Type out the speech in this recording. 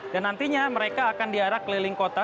dan nantinya mereka akan di arak keliling kota